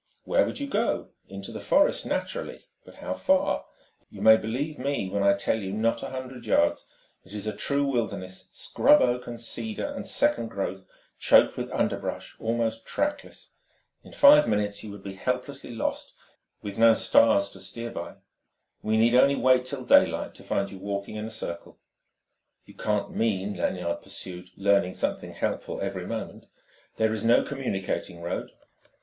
"Where would you go? Into the forest, naturally. But how far? You may believe me when I tell you, not a hundred yards. It's a true wilderness, scrub oak and cedar and second growth choked with underbrush, almost trackless. In five minutes you would be helplessly lost, in this blackness, with no stars to steer by. We need only wait till daylight to find you walking in a circle." "You can't mean," Lanyard pursued, learning something helpful every moment, "there is no communicating road?"